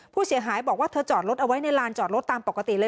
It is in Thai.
ผู้เสียหายบอกว่าเธอจอดรถเอาไว้ในลานจอดรถตามปกติเลย